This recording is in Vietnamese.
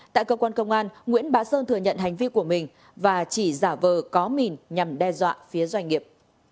tại cơ quan công an nguyễn bá sơn thừa nhận hành vi của mình và chỉ giả vờ có mìn nhằm đe dọa phía doanh nghiệp